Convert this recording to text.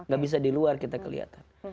gak bisa di luar kita kelihatan